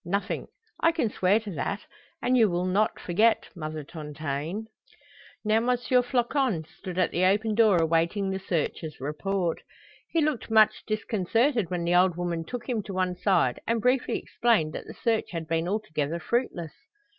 Nothing, I can swear to that, and you will not forget Mother Tontaine?" Now M. Floçon stood at the open door awaiting the searcher's report. He looked much disconcerted when the old woman took him on one side and briefly explained that the search had been altogether fruitless.